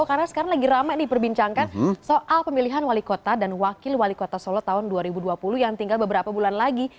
karena sekarang lagi ramai nih perbincangkan soal pemilihan wali kota dan wakil wali kota solo tahun dua ribu dua puluh yang tinggal beberapa bulan lagi